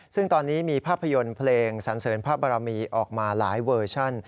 ซึ่งตอนนี้มีภาพยนตร์เพลงสันเสริญพระบรมีออกมาหลายเวอร์ชัน